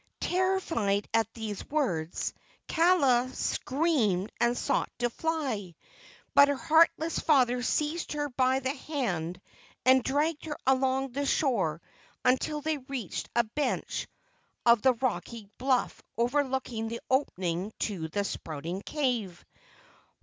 Terrified at these words, Kaala screamed and sought to fly; but her heartless father seized her by the hand and dragged her along the shore until they reached a bench of the rocky bluff overlooking the opening to the Spouting Cave.